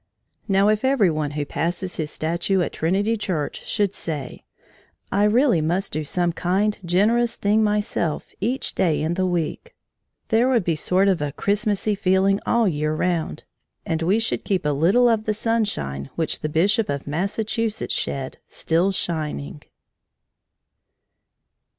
Now, if every one who passes his statue at Trinity Church should say: "I really must do some kind, generous thing myself, each day in the week," there would be sort of a Christmassy feeling all the year round, and we should keep a little of the sunshine which the Bishop of Massachusetts shed, still shining.